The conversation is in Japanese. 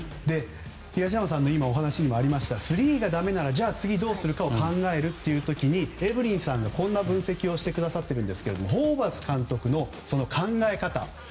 東山さんのお話にもありましたがスリーがだめなら次どうするか考える時にエブリンさんがこんな分析をしてくださっているんですがホーバス監督の考え方。